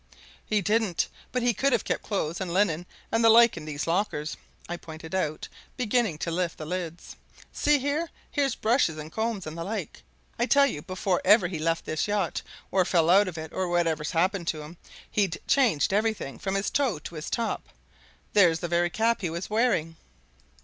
"He didn't; but he could have kept clothes and linen and the like in these lockers," I pointed out, beginning to lift the lids. "See here! here's brushes and combs and the like. I tell you before ever he left this yacht, or fell out of it, or whatever's happened him, he'd changed everything from his toe to his top there's the very cap he was wearing."